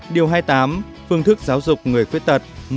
điều hai mươi tám phương thức giáo dục người khuyết tật